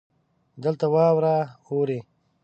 دلته واوره اوري.